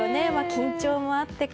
緊張もあってか。